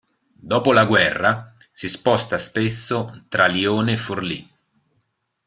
Dopo la guerra, si sposta spesso tra Lione e Forlì.